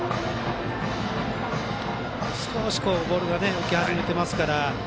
少しボールが浮き始めていますから。